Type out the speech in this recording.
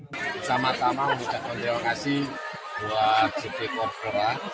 pertama tama kita kontrol kasih buat ct korporat